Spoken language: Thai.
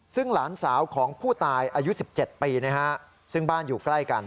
ซึ่งหลานสาวของผู้ตายอายุ๑๗ปีซึ่งบ้านอยู่ใกล้กัน